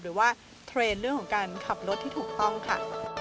หรือว่าเทรนด์เรื่องของการขับรถที่ถูกต้องค่ะ